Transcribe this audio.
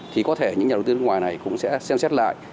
thì có thể những nhà đầu tư nước ngoài này cũng sẽ xem xét lại